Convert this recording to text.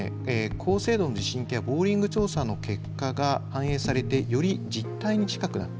高精度の地震計やボーリング調査の結果が反映されてより実態に近くなっています。